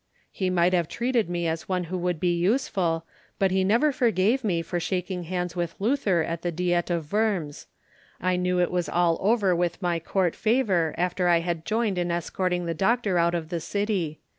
"He might have treated me as one who could be useful, but he never forgave me for shaking hands with Luther at the Diet of Worms. I knew it was all over with my court favour after I had joined in escorting the Doctor out of the city.